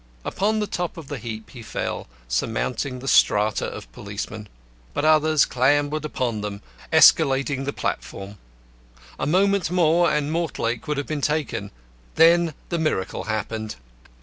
Upon the top of the heap he fell, surmounting the strata of policemen. But others clambered upon them, escalading the platform. A moment more and Mortlake would have been taken. Then the miracle happened.